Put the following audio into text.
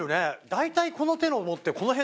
大体この手のものって。